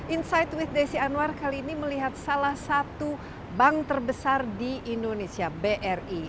insight with desi anwar kali ini melihat salah satu bank terbesar di indonesia bri